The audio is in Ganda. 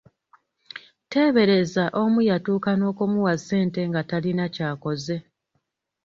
Tebeereza omu yatuuka n’okumuwa ssente nga talina kyakoze.